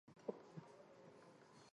一緒にしよ♡